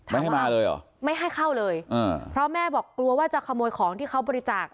ไม่ให้มาเลยเหรอไม่ให้เข้าเลยอ่าเพราะแม่บอกกลัวว่าจะขโมยของที่เขาบริจาค